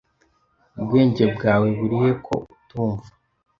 Ubwenge bwawe burihe ko utumva?